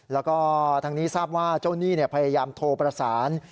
แล้วก็ทางนี้ทราบว่าเจ้าหนี้พยายามโทรประสาน